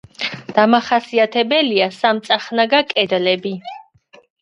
დამახასიათებელია სამწახნაგა კედლები.